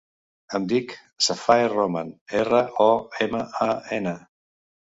Em dic Safae Roman: erra, o, ema, a, ena.